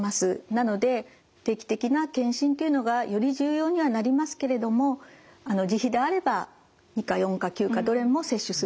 なので定期的な検診というのがより重要にはなりますけれども自費であれば２価・４価・９価どれも接種することは可能です。